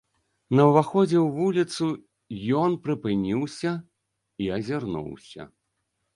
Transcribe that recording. На ўваходзе ў вуліцу ён прыпыніўся і азірнуўся.